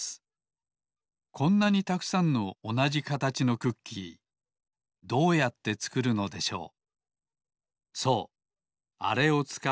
こんなにたくさんのおなじかたちのクッキーどうやってつくるのでしょう。